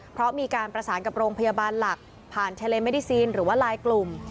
เพราะมีการประสานกับโรงพยาบาลหลักผ่านทะเลเมดีซีนหรือว่าลายกลุ่ม